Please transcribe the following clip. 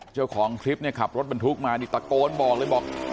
เจ้าของคลิปขับรถเป็นทุกข์มาตะโกนบอกระวังรถ